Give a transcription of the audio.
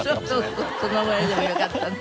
そうそうそのぐらいでもよかったね。